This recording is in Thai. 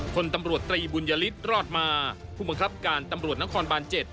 คนตำรวจตรีบุญยฤทธิรอดมาผู้บังคับการตำรวจนครบาน๗